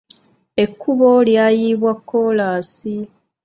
Ekkubo lyayiibwa kkoolaasi.